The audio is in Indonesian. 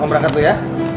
kau berangkat dulu ya